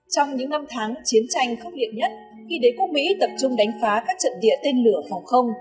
trong những năm tháng chiến tranh khốc liệt nhất khi đế quốc mỹ tập trung đánh phá các trận địa tên lửa phòng không